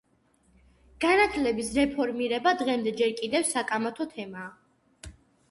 განათლების რეფორმირება დღემდე ჯერ კიდევ საკამათო თემაა.